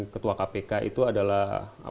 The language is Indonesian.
ketua kpk itu adalah